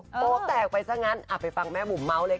โปรแตกไปซะงั้นไปฟังแม่บุ๋มเมาส์เลยค่ะ